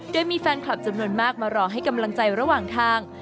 โดยมีแฟนคลับจำนวนมากมารอให้กำลังใจระหว่างทาง